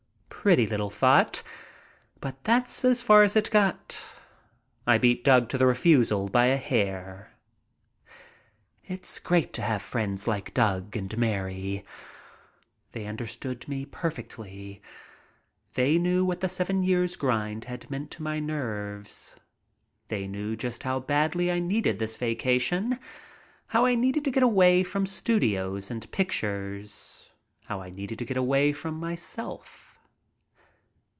Pretty little thought. But that's as far as it got. I beat Doug to the refusal by a hair. It's great to have friends like Doug and Mary. They understood me perfectly. They knew what the seven years' grind had meant to my nerves. They knew just how badly I needed this vacation, how I needed to get away from studios and pictiures, how I needed to get away from myself.